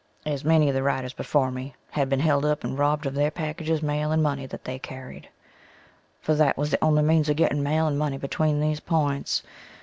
As many of the riders before me had been held up and robbed of their packages, mail and money that they carried, for that was the only means of getting mail and money between these points.